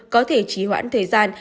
có thể trí hoãn thời gian